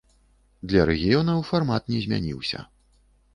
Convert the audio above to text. Для рэгіёнаў фармат не змяніўся.